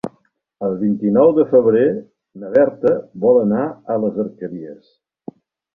El vint-i-nou de febrer na Berta vol anar a les Alqueries.